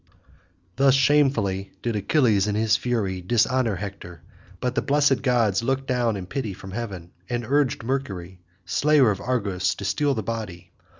Thus shamefully did Achilles in his fury dishonour Hector; but the blessed gods looked down in pity from heaven, and urged Mercury, slayer of Argus, to steal the body.